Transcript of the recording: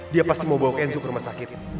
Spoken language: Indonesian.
dia pasti mau bawa kenzo ke rumah sakit